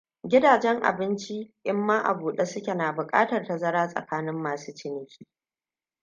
Gidajen abinci in ma a bude suke na bukatar tazara tsakanin masu ciniki.